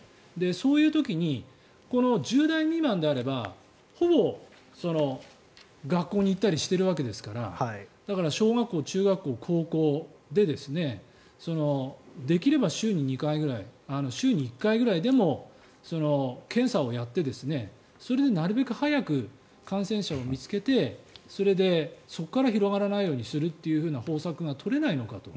そういう時にこの１０代未満であればほぼ学校に行ったりしているわけですからだから小学校、中学校、高校でできれば週に２回ぐらい週に１回でも検査をやってそれでなるべく早く感染者を見つけてそれでそこから広がらないようにするという方策が取れないのかと。